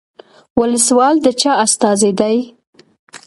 ولسوال د چا استازی دی؟